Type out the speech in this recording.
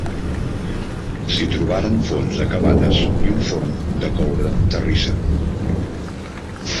S'hi trobaren fons de cabanes i un forn de coure terrissa.